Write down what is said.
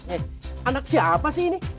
eh anak siapa sih ini